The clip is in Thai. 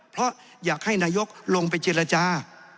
เพราะอยากให้นายกลงไปเจรจา